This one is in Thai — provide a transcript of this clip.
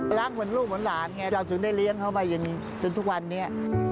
รักเหมือนลูกเหมือนหลานไงเราถึงได้เลี้ยงเขามาจนทุกวันนี้